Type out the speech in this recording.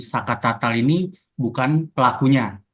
sakat natal ini bukan pelakunya